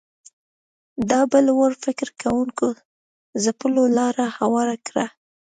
دا بل وړ فکر کوونکو ځپلو لاره هواره کړه